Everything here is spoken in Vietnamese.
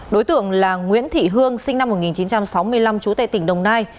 đối tượng là nguyễn thị hương sinh năm một nghìn chín trăm sáu mươi năm chú tệ tỉnh đồng nai